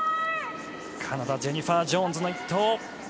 カナダ、ジェニファー・ジョーンズの１投。